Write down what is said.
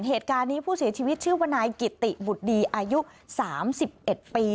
เหตุการณ์นี้ผู้เสียชีวิตชื่อว่านายกิติบุตรดีอายุ๓๑ปี